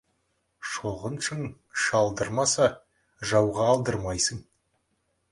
Шолғыншың шалдырмаса, жауға алдырмайсың.